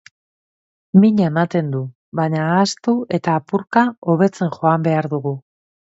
Mina ematen du, baina ahaztu eta apurka hobetzen joan behar dugu.